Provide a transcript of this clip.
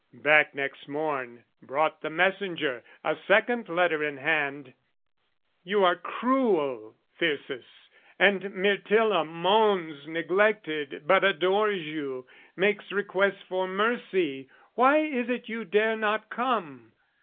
Back next morn brought The messenger, a second letter in hand. "You are cruel, Thyrsis, and Myrtilla moans "Neglected but adores you, makes request "For mercy: why is it you dare not come?